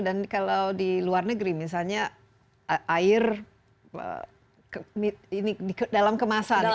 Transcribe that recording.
dan kalau di luar negeri misalnya air dalam kemasan